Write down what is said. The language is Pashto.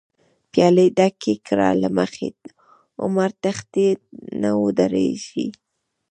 پیالی ډکی کړه له مخی، عمر تښتی نه ودریږی